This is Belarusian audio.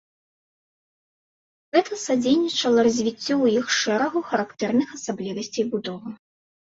Гэта садзейнічала развіццю ў іх шэрагу характэрных асаблівасцей будовы.